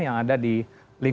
yang ada di dalam